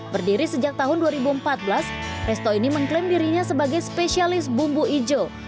berdiri sejak tahun dua ribu empat belas resto ini mengklaim dirinya sebagai spesialis bumbu hijau